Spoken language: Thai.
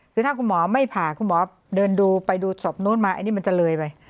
คือถ้าคุณหมอไม่ผ่าคุณหมอเดินไปดูศพุนทร์นี่มันเผลอไป